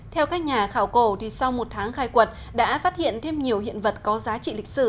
theo các nhà khảo cổ sau một tháng khai quật đã phát hiện thêm nhiều hiện vật có giá trị lịch sử